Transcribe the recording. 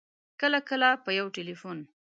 کله کله په یو ټېلفون